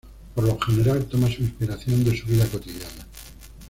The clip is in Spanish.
Por lo general toma su inspiración de su vida cotidiana.